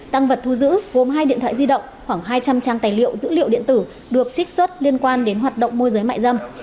tăng vật thu giữ gồm hai điện thoại di động khoảng hai trăm linh trang tài liệu dữ liệu điện tử được trích xuất liên quan đến hoạt động môi giới mại dâm